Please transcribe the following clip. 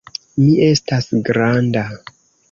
Mi estas granda.